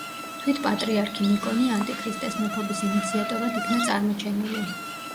თვით პატრიარქი ნიკონი ანტიქრისტეს მეფობის ინიციატორად იქნა წარმოჩენილი.